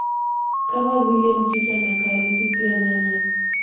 Kama vile mchicha na Karoti pia nyanya